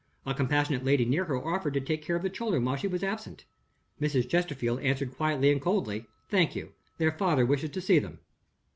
A compassionate lady near her offered to take care of the children while she was absent. Mrs. Westerfield answered quietly and coldly: "Thank you their father wishes to see them."